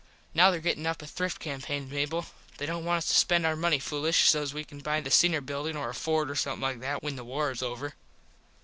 Now there gettin up a thrift campain Mable. They dont want us to spend our money foolish sos we can buy the Singer Buildin or a Ford or somethin like that when the war is over.